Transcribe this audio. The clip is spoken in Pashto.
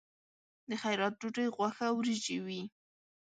د خیرات ډوډۍ غوښه او وریجې وي.